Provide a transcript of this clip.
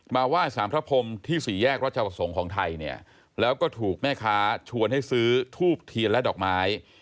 ไหว้สารพระพรมที่สี่แยกรัชประสงค์ของไทยเนี่ยแล้วก็ถูกแม่ค้าชวนให้ซื้อทูบเทียนและดอกไม้